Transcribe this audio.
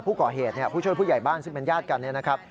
ผู้ก่อเหตุเนี่ยผู้ช่วยผู้ใหญ่บ้านซึ่งเป็นญาติกันเนี่ยนะครับ